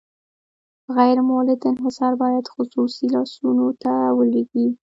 غیر مولد انحصار باید خصوصي لاسونو ته ولویږي.